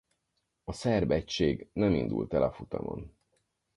A szerb egység nem indult el a futamon.